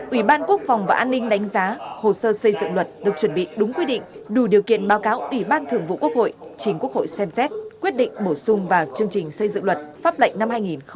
ủy ban quốc phòng và an ninh đánh giá hồ sơ xây dựng luật được chuẩn bị đúng quy định đủ điều kiện báo cáo ủy ban thường vụ quốc hội chính quốc hội xem xét quyết định bổ sung vào chương trình xây dựng luật pháp lệnh năm hai nghìn một mươi chín